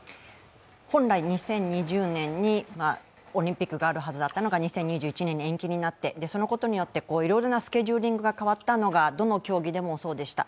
本来、２０２０年にオリンピックがあるはずだったのが２０２１年に延期になって、そのことによっていろいろなスケジューリングに変わったのがどの競技でもそうでした。